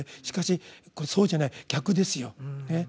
しかしこれそうじゃない逆ですよ。